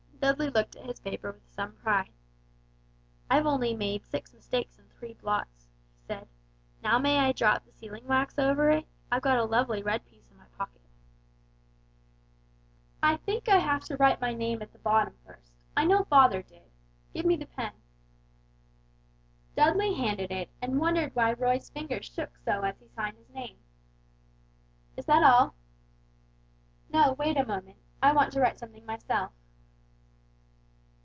Dudley looked at his paper with some pride. "I've only made six mistakes and three blots," he said; "now may I drop the sealing wax over it? I've got a lovely red piece in my pocket." "I think I have to write my name at the bottom first, I know father did. Give me the pen." Dudley handed it, and wondered why Roy's fingers shook so as he signed his name. "Is that all?" "No, wait a moment. I want to write something myself."